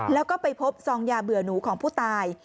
แล้วก็ไปพบซองยาเบื่อหนูของผู้ตาย